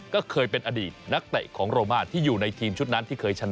ก็เคยเป็นอดีตนักไต่ของโรม่าที่อยู่ในทีมชุดนั้น